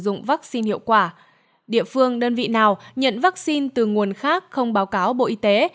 sử dụng vaccine hiệu quả địa phương đơn vị nào nhận vaccine từ nguồn khác không báo cáo bộ y tế